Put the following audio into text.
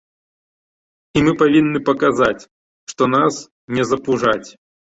І мы павінны паказаць, што нас не запужаць.